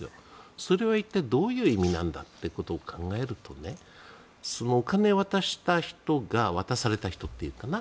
それは一体どういう意味なんだってことを考えるとお金を渡した人が渡された人かな。